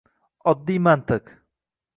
Oddiy mantiq